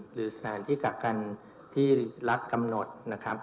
หรือสถานที่กักกันที่รัฐกำหนดนะครับ